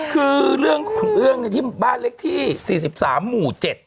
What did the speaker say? คือเรื่องที่บ้านเล็กที่๔๓หมู่๗